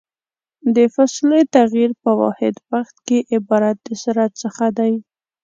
د فاصلې تغير په واحد وخت کې عبارت د سرعت څخه ده.